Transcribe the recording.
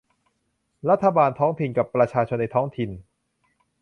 รัฐบาลท้องถิ่นกับประชาชนในท้องถิ่น